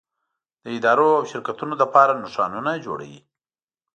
د ادارو او شرکتونو لپاره نښانونه جوړوي.